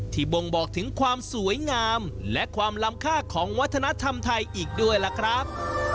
บ่งบอกถึงความสวยงามและความล้ำค่าของวัฒนธรรมไทยอีกด้วยล่ะครับ